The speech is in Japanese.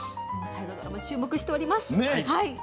大河ドラマ注目しております。